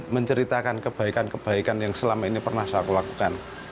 menceritakan kebaikan kebaikan yang selama ini pernah saya aku lakukan